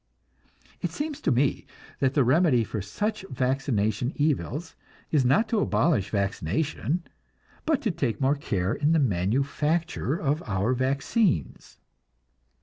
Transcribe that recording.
It seems to me that the remedy for such vaccination evils is not to abolish vaccination, but to take more care in the manufacture of our vaccines.